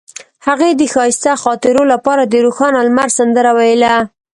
هغې د ښایسته خاطرو لپاره د روښانه لمر سندره ویله.